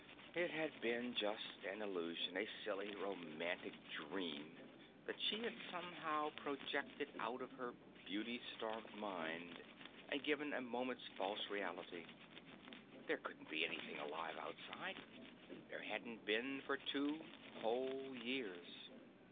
It had been just an illusion, a silly romantic dream that she had somehow projected out of her beauty starved mind and given a moment's false reality. There couldn't be anything alive outside. There hadn't been for two whole years.